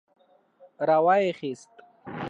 را وايي خيست.